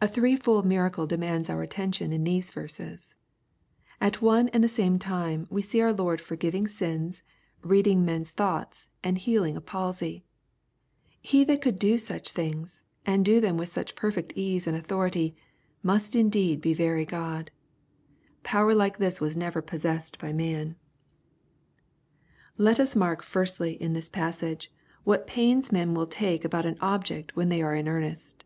A THREEFOLD miracle demands our attention in these verses. At one and the same time, we see our Lord forgiving sins, reading men's thoughts, and healing a palsy. He that could do such things, and do them with LhVrfec. ^ ..d .uthority, Lt Meed be very God. Power like this was never possessed by man. Let us mark, firstly, in this passage, what pains men will take about an ol^fect when they are in earnest.